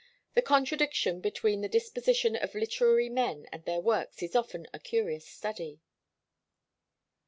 The contradiction between the disposition of literary men and their works is often a curious study.